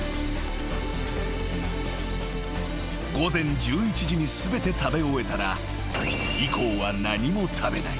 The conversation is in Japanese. ［午前１１時に全て食べ終えたら以降は何も食べない］